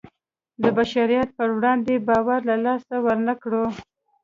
د بشریت په وړاندې باور له لاسه ورنکړو.